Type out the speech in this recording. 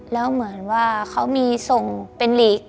แล้วเหมือนว่าเขามีส่งเป็นหลีก